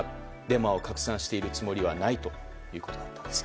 デマを拡散しているつもりはないということだったんです。